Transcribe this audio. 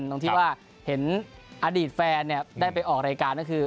ตรงที่ว่าเห็นอดีตแฟนได้ไปออกรายการก็คือ